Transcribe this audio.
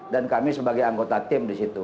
dan kami sebagai anggota tim di situ